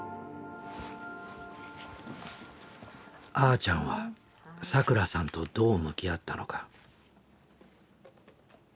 あーちゃんはさくらさんとどう向き合ったのか。